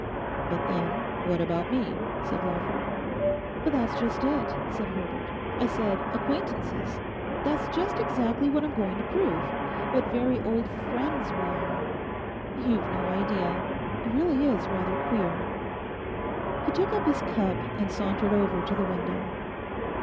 'But then, what about me?' said Lawford. 'But that's just it,' said Herbert. 'I said acquaintances; that's just exactly what I'm going to prove—what very old friends we are. You've no idea! It really is rather queer.' He took up his cup and sauntered over to the window.